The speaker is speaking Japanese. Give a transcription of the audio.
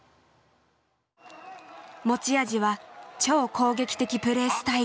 持ち味は超攻撃的プレースタイル。